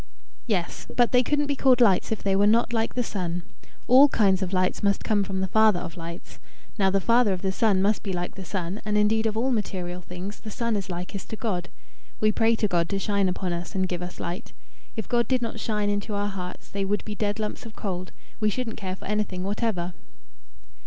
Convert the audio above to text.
"Yes. But they couldn't be called lights if they were not like the sun. All kinds of lights must come from the Father of Lights. Now the Father of the sun must be like the sun, and, indeed of all material things, the sun is likest to God. We pray to God to shine upon us and give us light. If God did not shine into our hearts, they would be dead lumps of cold. We shouldn't care for anything whatever."